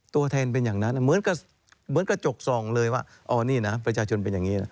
ตัวแทนเป็นอย่างนั้นเหมือนกระจกส่องเลยว่าอ๋อนี่นะประชาชนเป็นอย่างนี้นะ